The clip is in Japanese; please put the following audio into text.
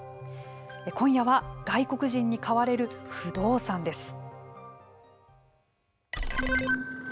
今夜は外国人に買われる不動産です。